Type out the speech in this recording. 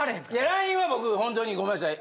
ＬＩＮＥは僕ほんとにごめんなさい。